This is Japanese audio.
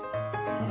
うん。